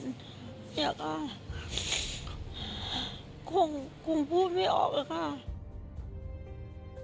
อยากเอาคงพูดไม่ออกเลยค่ะ